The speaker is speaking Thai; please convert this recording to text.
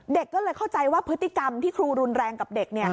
เด็กก็เลยเข้าใจว่าพฤติกรรมที่ครูรุนแรงกับเด็ก